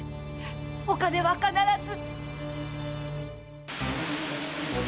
お金は必ず！